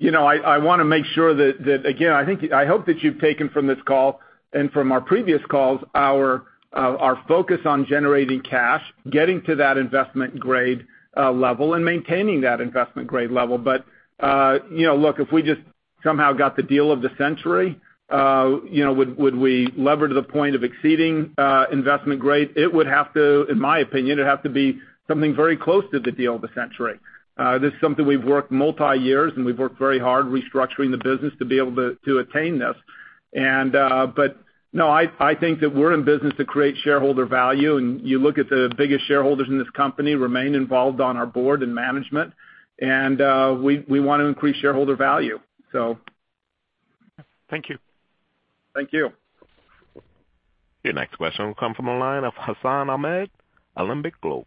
I want to make sure that, again, I hope that you've taken from this call and from our previous calls our focus on generating cash, getting to that investment grade level, and maintaining that investment grade level. Look, if we just somehow got the deal of the century, would we lever to the point of exceeding investment grade? In my opinion, it would have to be something very close to the deal of the century. This is something we've worked multi years, and we've worked very hard restructuring the business to be able to attain this. No, I think that we're in business to create shareholder value, and you look at the biggest shareholders in this company remain involved on our board and management, and we want to increase shareholder value. Thank you. Thank you. Your next question will come from the line of Hassan Ahmed, Alembic Global.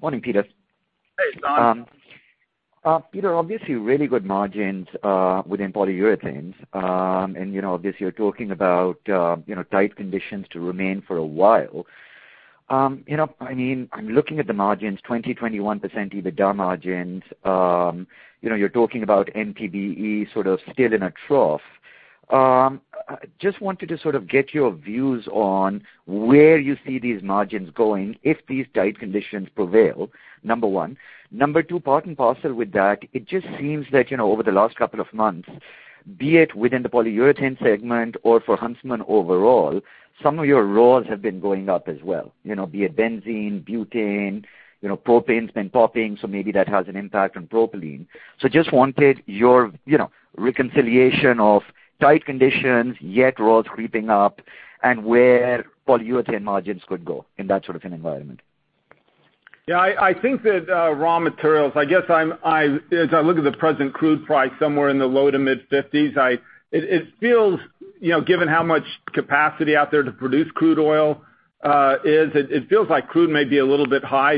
Morning, Peter. Hey, Hassan. Peter, obviously really good margins within polyurethanes. Obviously you're talking about tight conditions to remain for a while. I'm looking at the margins, 20%, 21% EBITDA margins. You're talking about MTBE sort of still in a trough. Just wanted to sort of get your views on where you see these margins going if these tight conditions prevail, number 1. Number 2, part and parcel with that, it just seems that over the last couple of months, be it within the Polyurethanes segment or for Huntsman overall, some of your raws have been going up as well. Be it benzene, butane, propane's been popping, so maybe that has an impact on propylene. Just wanted your reconciliation of tight conditions, yet raws creeping up and where polyurethane margins could go in that sort of an environment. Yeah, I think that raw materials, as I look at the present crude price somewhere in the low to mid-50s, it feels, given how much capacity out there to produce crude oil is, it feels like crude may be a little bit high.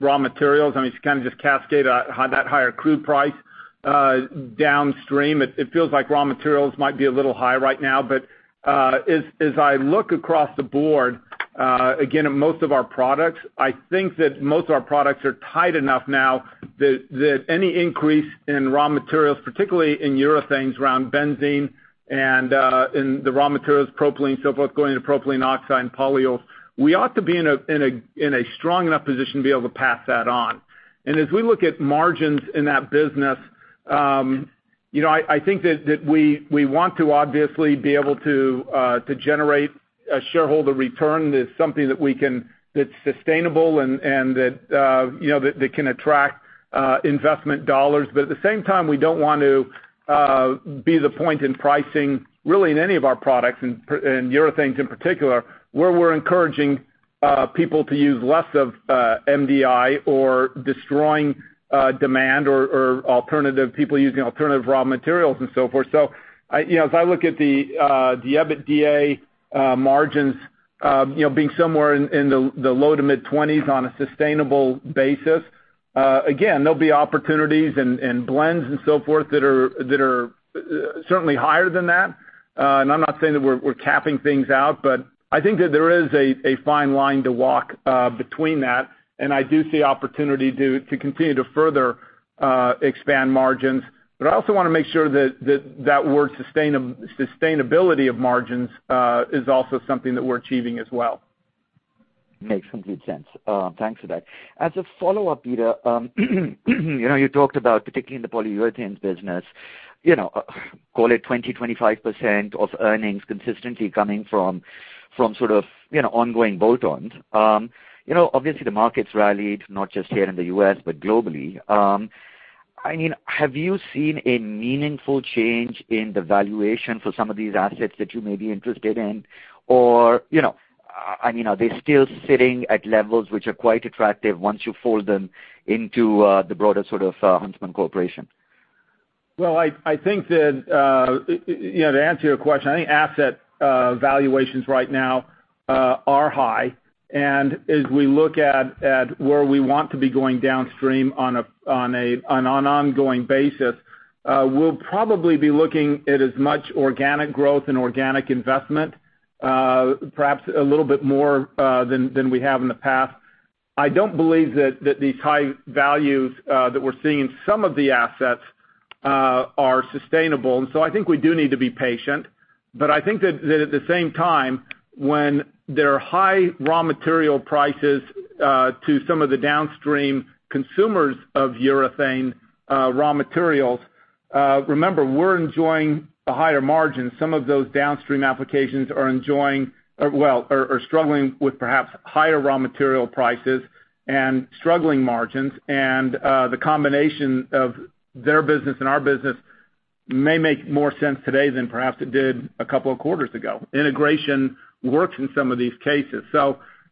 Raw materials, you kind of just cascade that higher crude price downstream. It feels like raw materials might be a little high right now. As I look across the board, again, at most of our products, I think that most of our products are tight enough now that any increase in raw materials, particularly in urethanes around benzene and in the raw materials, propylene, so forth, going into propylene oxide and polyols, we ought to be in a strong enough position to be able to pass that on. As we look at margins in that business, I think that we want to obviously be able to generate a shareholder return that's something that's sustainable and that can attract investment dollars. At the same time, we don't want to be the point in pricing, really in any of our products, in urethanes in particular, where we're encouraging people to use less of MDI or destroying demand or people using alternative raw materials and so forth. As I look at the EBITDA margins being somewhere in the low to mid-20s on a sustainable basis, again, there'll be opportunities and blends and so forth that are certainly higher than that. I'm not saying that we're capping things out, but I think that there is a fine line to walk between that, and I do see opportunity to continue to further expand margins. I also want to make sure that that word sustainability of margins is also something that we're achieving as well. Makes complete sense. Thanks for that. As a follow-up, Peter, you talked about, particularly in the polyurethanes business, call it 20%-25% of earnings consistently coming from sort of ongoing bolt-ons. Obviously the market's rallied not just here in the U.S., but globally. Have you seen a meaningful change in the valuation for some of these assets that you may be interested in? Or are they still sitting at levels which are quite attractive once you fold them into the broader sort of Huntsman Corporation? I think that, to answer your question, I think asset valuations right now are high. As we look at where we want to be going downstream on an ongoing basis, we'll probably be looking at as much organic growth and organic investment perhaps a little bit more than we have in the past. I don't believe that these high values that we're seeing in some of the assets are sustainable. I think we do need to be patient. I think that at the same time, when there are high raw material prices to some of the downstream consumers of urethane raw materials, remember, we're enjoying the higher margins. Some of those downstream applications are struggling with perhaps higher raw material prices and struggling margins. The combination of their business and our business may make more sense today than perhaps it did a couple of quarters ago. Integration works in some of these cases.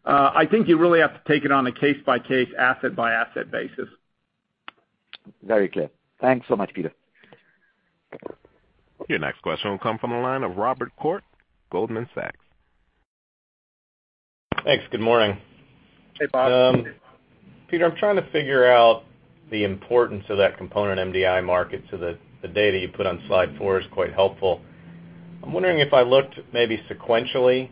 I think you really have to take it on a case-by-case, asset-by-asset basis. Very clear. Thanks so much, Peter. Your next question will come from the line of Robert Koort, Goldman Sachs. Thanks. Good morning. Hey, Bob. Peter, I'm trying to figure out the importance of that component MDI market, the data you put on slide four is quite helpful. I'm wondering if I looked maybe sequentially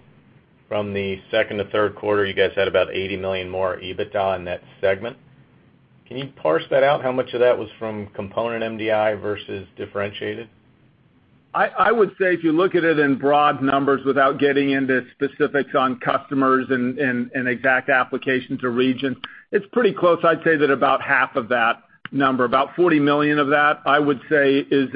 from the second to third quarter, you guys had about $80 million more EBITDA in that segment. Can you parse that out, how much of that was from component MDI versus differentiated? I would say if you look at it in broad numbers without getting into specifics on customers and exact application to region, it's pretty close. I'd say that about half of that number, about $40 million of that, I would say is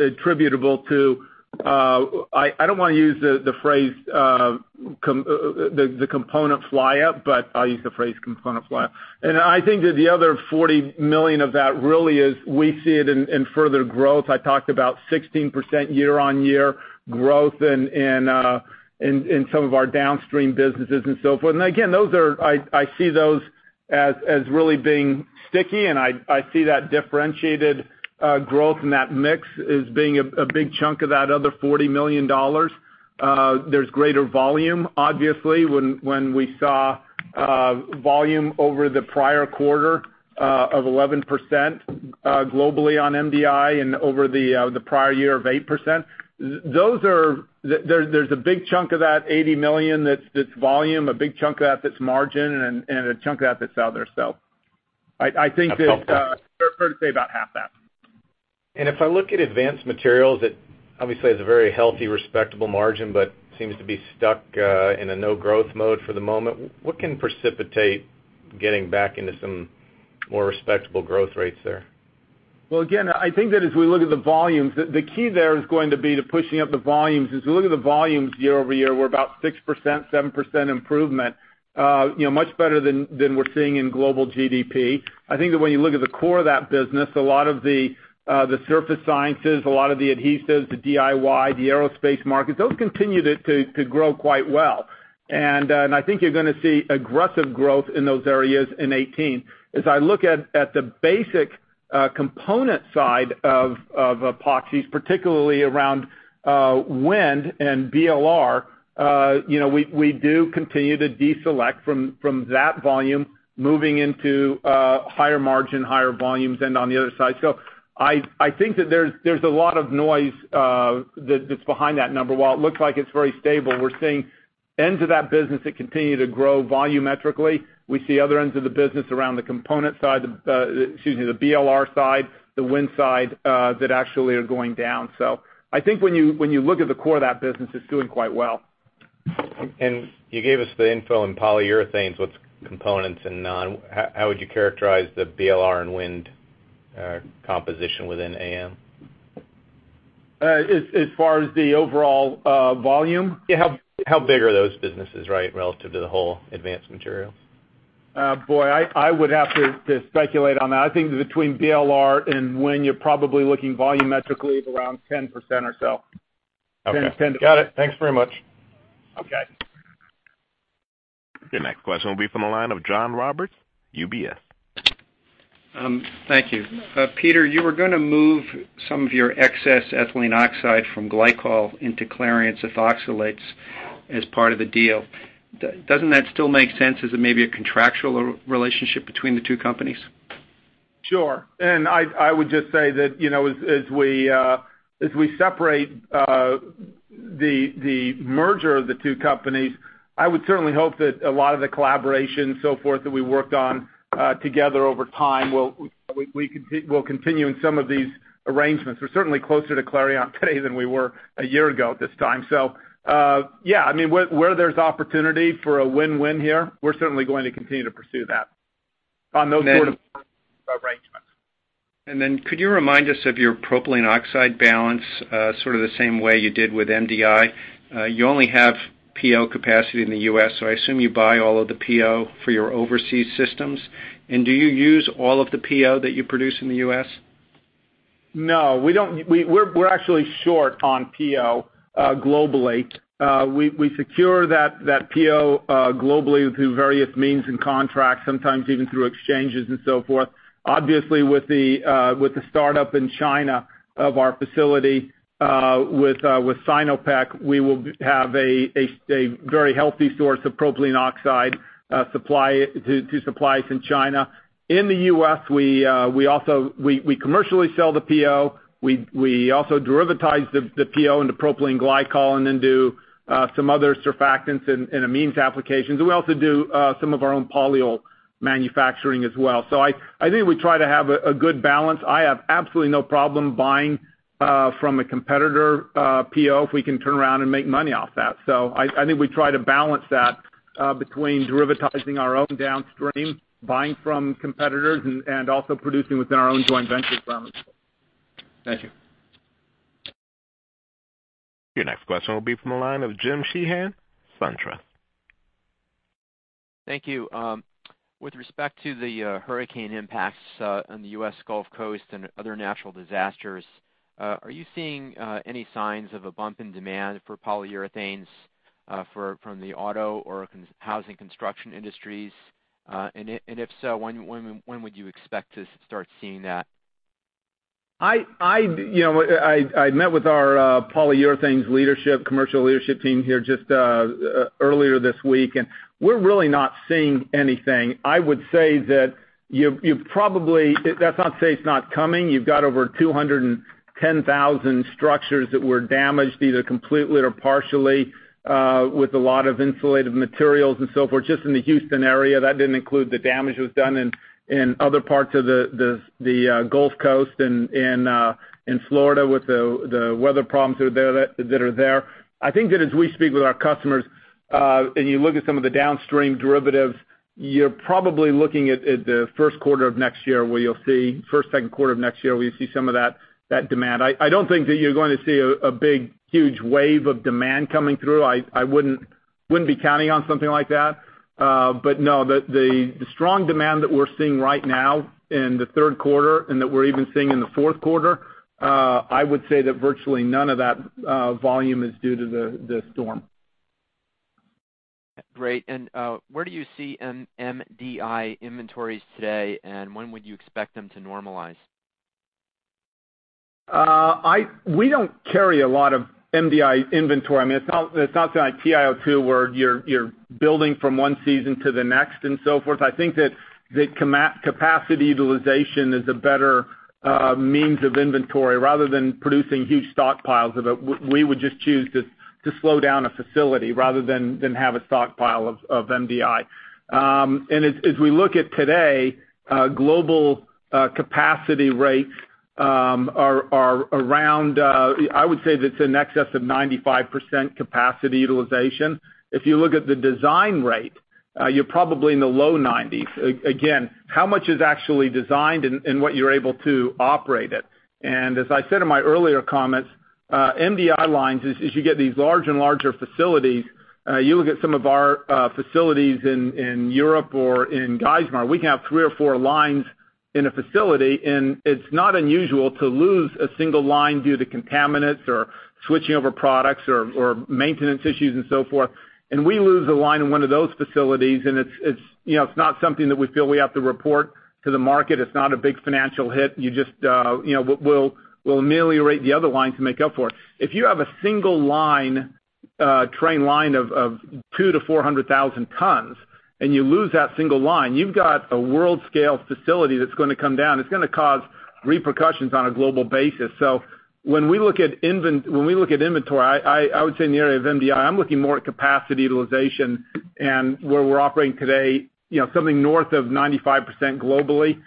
attributable to, I don't want to use the phrase the component flyup, but I'll use the phrase component flyup. I think that the other $40 million of that really is, we see it in further growth. I talked about 16% year-on-year growth in some of our downstream businesses and so forth. Again, I see those as really being sticky, and I see that differentiated growth in that mix as being a big chunk of that other $40 million. There's greater volume, obviously. When we saw volume over the prior quarter of 11% globally on MDI and over the prior year of 8%, there's a big chunk of that $80 million that's volume, a big chunk of that's margin, and a chunk of that's other. I think that. That's helpful. fair to say about half that. If I look at Advanced Materials, it obviously has a very healthy, respectable margin, but seems to be stuck in a no growth mode for the moment. What can precipitate getting back into some more respectable growth rates there? Well, again, I think that as we look at the volumes, the key there is going to be to pushing up the volumes. As we look at the volumes year-over-year, we're about 6%-7% improvement. Much better than we're seeing in global GDP. I think that when you look at the core of that business, a lot of the surface sciences, a lot of the adhesives, the DIY, the aerospace markets, those continue to grow quite well. I think you're going to see aggressive growth in those areas in 2018. As I look at the basic component side of epoxies, particularly around wind and blades, we do continue to deselect from that volume, moving into higher margin, higher volumes, and on the other side. I think that there's a lot of noise that's behind that number. While it looks like it's very stable, we're seeing ends of that business that continue to grow volumetrically. We see other ends of the business around the component side, excuse me, the blades side, the wind side, that actually are going down. I think when you look at the core of that business, it's doing quite well. You gave us the info on polyurethanes with components and non. How would you characterize the blades and wind composition within AM? As far as the overall volume? Yeah. How big are those businesses, right, relative to the whole Advanced Materials? Boy, I would have to speculate on that. I think between blades and wind, you're probably looking volumetrically at around 10% or so. Okay. Got it. Thanks very much. Okay. Your next question will be from the line of John Roberts, UBS. Thank you. Peter, you were going to move some of your excess ethylene oxide from glycol into Clariant's ethoxylates as part of the deal. Doesn't that still make sense? Is it maybe a contractual relationship between the two companies? Sure. I would just say that as we separate the merger of the two companies, I would certainly hope that a lot of the collaboration and so forth that we worked on together over time will continue in some of these arrangements. We're certainly closer to Clariant today than we were a year ago at this time. Yeah, where there's opportunity for a win-win here, we're certainly going to continue to pursue that on those sort of arrangements. Could you remind us of your propylene oxide balance, sort of the same way you did with MDI? You only have PO capacity in the U.S., so I assume you buy all of the PO for your overseas systems. Do you use all of the PO that you produce in the U.S.? No. We're actually short on PO globally. We secure that PO globally through various means and contracts, sometimes even through exchanges and so forth. Obviously, with the startup in China of our facility with Sinopec, we will have a very healthy source of propylene oxide to supply us in China. In the U.S., we commercially sell the PO. We also derivatize the PO into propylene glycol and then do some other surfactants in amines applications. We also do some of our own polyol manufacturing as well. I think we try to have a good balance. I have absolutely no problem buying from a competitor PO if we can turn around and make money off that. I think we try to balance that between derivatizing our own downstream, buying from competitors, and also producing within our own joint ventures as well. Thank you. Your next question will be from the line of Jim Sheehan, SunTrust. Thank you. With respect to the hurricane impacts on the U.S. Gulf Coast and other natural disasters, are you seeing any signs of a bump in demand for polyurethanes? From the auto or housing construction industries, and if so, when would you expect to start seeing that? I met with our polyurethanes commercial leadership team here just earlier this week, and we're really not seeing anything. I would say that that's not to say it's not coming. You've got over 210,000 structures that were damaged, either completely or partially, with a lot of insulative materials and so forth, just in the Houston area. That didn't include the damage that was done in other parts of the Gulf Coast in Florida with the weather problems that are there. I think that as we speak with our customers, and you look at some of the downstream derivatives, you're probably looking at the first quarter of next year where you'll see first, second quarter of next year where you see some of that demand. I don't think that you're going to see a big, huge wave of demand coming through. I wouldn't be counting on something like that. No, the strong demand that we're seeing right now in the third quarter and that we're even seeing in the fourth quarter, I would say that virtually none of that volume is due to the storm. Great, and where do you see MDI inventories today, and when would you expect them to normalize? We don't carry a lot of MDI inventory. It's not like TiO2 where you're building from one season to the next and so forth. I think that capacity utilization is a better means of inventory rather than producing huge stockpiles of it. We would just choose to slow down a facility rather than have a stockpile of MDI. As we look at today, global capacity rates are around, I would say that it's in excess of 95% capacity utilization. If you look at the design rate, you're probably in the low 90s. Again, how much is actually designed and what you're able to operate it. As I said in my earlier comments, MDI lines, as you get these larger and larger facilities, you look at some of our facilities in Europe or in Geismar, we can have three or four lines in a facility, and it's not unusual to lose a single line due to contaminants or switching over products or maintenance issues and so forth. We lose a line in one of those facilities, and it's not something that we feel we have to report to the market. It's not a big financial hit. We'll ameliorate the other lines to make up for it. If you have a single train line of 200,000 to 400,000 tons and you lose that single line, you've got a world-scale facility that's going to come down. It's going to cause repercussions on a global basis. When we look at inventory, I would say in the area of MDI, I'm looking more at capacity utilization and where we're operating today, something north of 95% globally.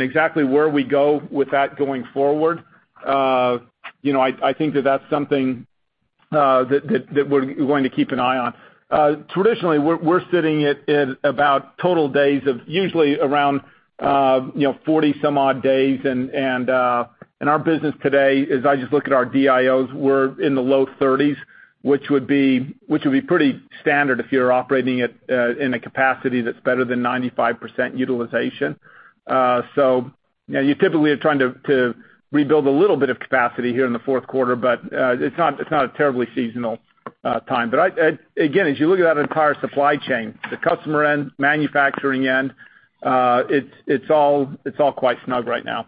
Exactly where we go with that going forward, I think that that's something that we're going to keep an eye on. Traditionally, we're sitting at about total days of usually around 40 some odd days. Our business today, as I just look at our DIO, we're in the low 30s, which would be pretty standard if you're operating in a capacity that's better than 95% utilization. You typically are trying to rebuild a little bit of capacity here in the fourth quarter, but it's not a terribly seasonal time. Again, as you look at that entire supply chain, the customer end, manufacturing end, it's all quite snug right now.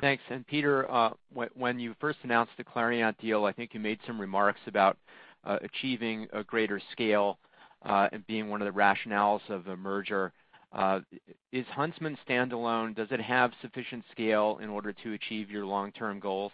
Thanks. Peter, when you first announced the Clariant deal, I think you made some remarks about achieving a greater scale and being one of the rationales of the merger. Is Huntsman standalone? Does it have sufficient scale in order to achieve your long-term goals?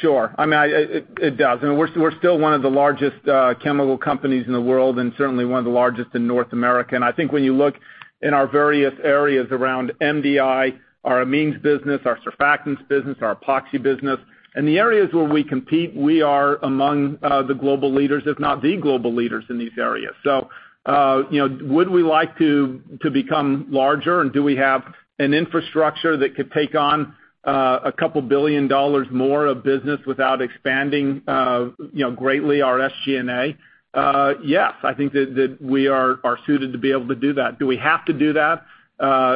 Sure. It does. We're still one of the largest chemical companies in the world and certainly one of the largest in North America. I think when you look in our various areas around MDI, our amines business, our surfactants business, our epoxy business, in the areas where we compete, we are among the global leaders, if not the global leaders in these areas. Would we like to become larger, and do we have an infrastructure that could take on a couple billion dollars more of business without expanding greatly our SG&A? Yes, I think that we are suited to be able to do that. Do we have to do that?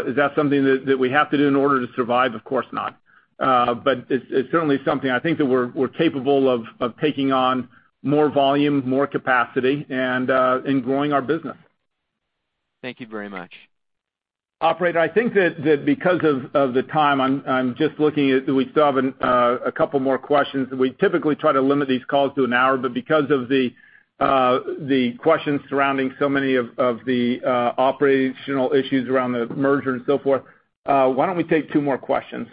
Is that something that we have to do in order to survive? Of course not. It's certainly something I think that we're capable of taking on more volume, more capacity, and in growing our business. Thank you very much. Operator, I think that because of the time, I'm just looking at, do we still have a couple more questions? We typically try to limit these calls to an hour, but because of the questions surrounding so many of the operational issues around the merger and so forth, why don't we take two more questions?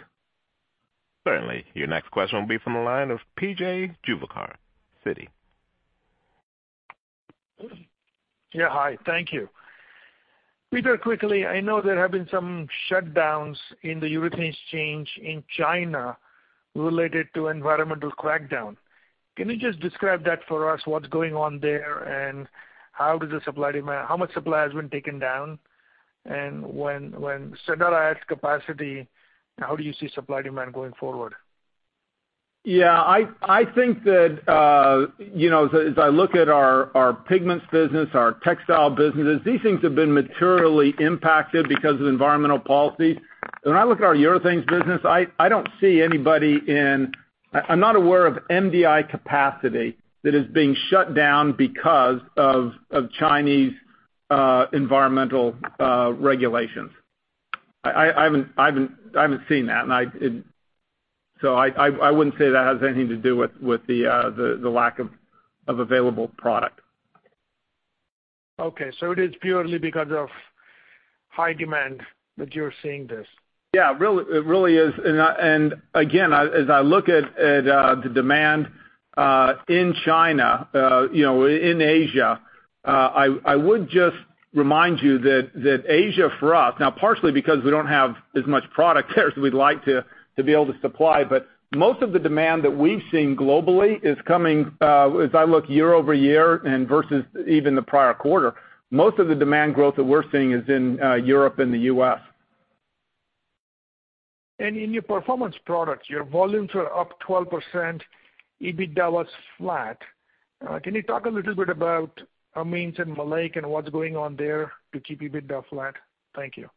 Certainly. Your next question will be from the line of PJ Juvekar, Citi. Yeah, hi. Thank you. Peter, quickly, I know there have been some shutdowns in the urethane exchange in China related to environmental crackdown. Can you just describe that for us, what is going on there, and how much supply has been taken down? When Sadara adds capacity, how do you see supply demand going forward? Yeah. I think that as I look at our Pigments business, our Textile businesses, these things have been materially impacted because of environmental policy. When I look at our Urethane business, I am not aware of MDI capacity that is being shut down because of Chinese environmental regulations. I have not seen that. I would not say that has anything to do with the lack of available product. Okay. It is purely because of high demand that you are seeing this? Yeah, it really is. Again, as I look at the demand in China, in Asia, I would just remind you that Asia, for us, now partially because we do not have as much product there as we would like to be able to supply, but most of the demand that we have seen globally is coming, as I look year-over-year and versus even the prior quarter, most of the demand growth that we are seeing is in Europe and the U.S. In your Performance Products, your volumes are up 12%, EBITDA was flat. Can you talk a little bit about amines and maleic and what's going on there to keep EBITDA flat? Thank you.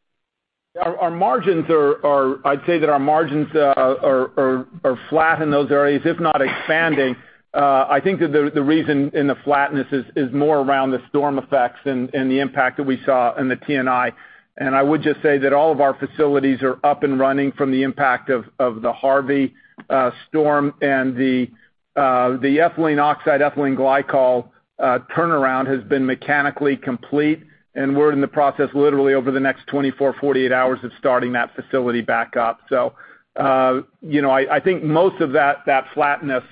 I'd say that our margins are flat in those areas, if not expanding. I think that the reason in the flatness is more around the storm effects and the impact that we saw in the T&I. I would just say that all of our facilities are up and running from the impact of Hurricane Harvey and the ethylene oxide, ethylene glycol turnaround has been mechanically complete, and we're in the process, literally over the next 24, 48 hours of starting that facility back up. I think most of that flatness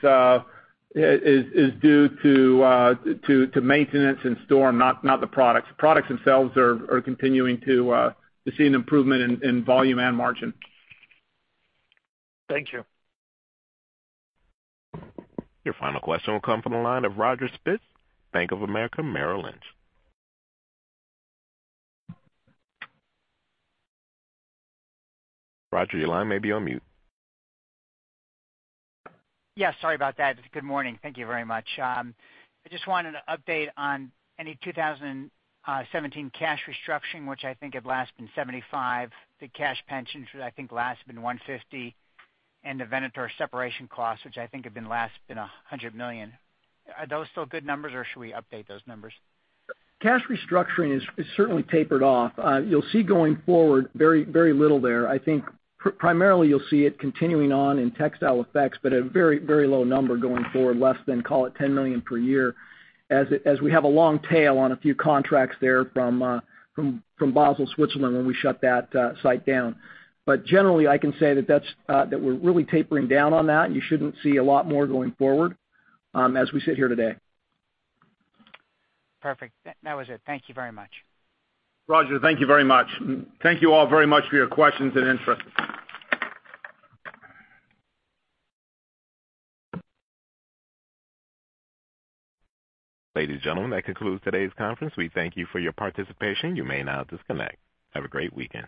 is due to maintenance and storm, not the products. The products themselves are continuing to see an improvement in volume and margin. Thank you. Your final question will come from the line of Roger Spitz, Bank of America, Merrill Lynch. Roger, your line may be on mute. Yeah, sorry about that. Good morning, thank you very much. I just wanted an update on any 2017 cash restructuring, which I think had last been $75. The cash pensions, which I think last been $150, and the Venator separation costs, which I think have been last been $100 million. Are those still good numbers, or should we update those numbers? Cash restructuring is certainly tapered off. You'll see going forward, very little there. I think primarily you'll see it continuing on in Textile Effects, but at a very low number going forward, less than, call it, $10 million per year, as we have a long tail on a few contracts there from Basel, Switzerland, when we shut that site down. Generally, I can say that we're really tapering down on that. You shouldn't see a lot more going forward as we sit here today. Perfect. That was it. Thank you very much. Roger, thank you very much. Thank you all very much for your questions and interest. Ladies, gentlemen, that concludes today's conference. We thank you for your participation. You may now disconnect. Have a great weekend.